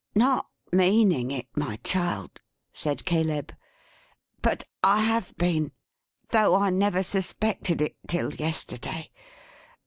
"Not meaning it, my child," said Caleb. "But I have been; though I never suspected it, 'till yesterday.